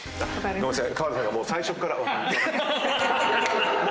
ごめんなさい。